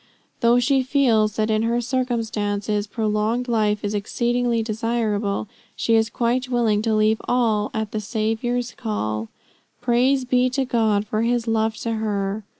Though she feels that in her circumstances, prolonged life is exceedingly desirable, she is quite willing to leave all at the Savior's call. Praise be to God for his love to her."